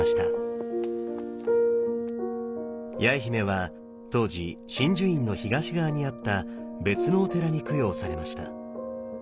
八重姫は当時眞珠院の東側にあった別のお寺に供養されました。